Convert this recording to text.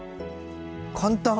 簡単！